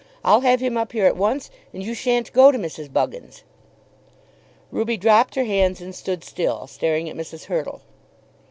I'll have him up here at once and you shan't go to Mrs. Buggins'." Ruby dropped her hands and stood still, staring at Mrs. Hurtle.